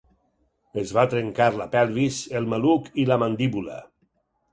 Es va trencar la pelvis, el maluc i la mandíbula.